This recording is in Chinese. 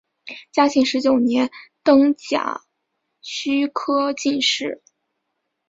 嘉庆十九年登甲戌科进士。